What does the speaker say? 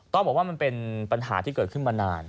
ต้องบอกว่ามันเป็นปัญหาที่เกิดขึ้นมานาน